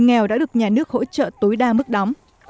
nghèo đã được nhà nước hỗ trợ tối đa mức đóng